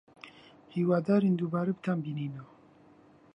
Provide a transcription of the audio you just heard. هیوادارین دووبارە بتانبینینەوە.